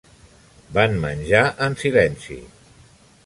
Van menjar en silenci.